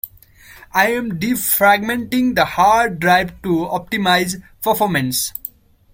I am defragmenting the hard drive to optimize performance.